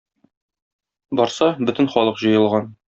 Барса, бөтен халык җыелган.